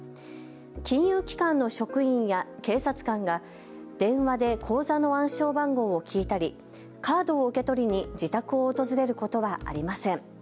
金融機関の職員や警察官が電話で口座の暗証番号を聞いたりカードを受け取りに自宅を訪れることはありません。